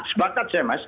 sepakat saya mas